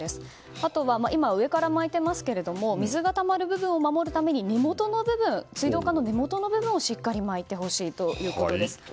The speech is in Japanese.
あと、今は上から巻いていますが水がたまる部分を守るために水道管の根元の部分をしっかり巻いてほしいということです。